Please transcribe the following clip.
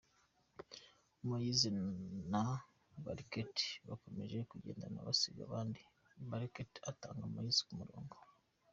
Moise na Bereket bakomeje kugendana basiga abandi, Bereket atanga Moise ku murongo.